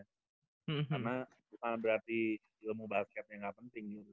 karena bukan berarti ilmu basketnya gak penting gitu